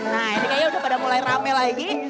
nah ini kayaknya udah pada mulai rame lagi